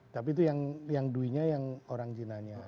tapi itu yang duinya yang orang jinanya